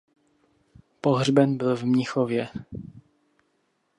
Pohřben byl v Mnichově.